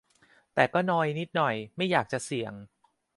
แต่ก็นอยนิดหน่อย ไม่อยากจะเสี่ยง